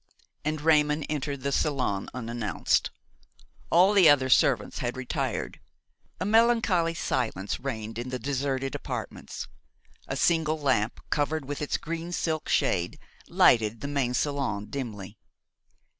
And Raymon entered the salon unannounced. All the other servants had retired. A melancholy silence reigned in the deserted apartments. A single lamp, covered with its green silk shade, lighted the main salon dimly.